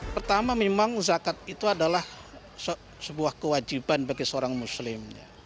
pertama memang zakat itu adalah sebuah kewajiban bagi seorang muslim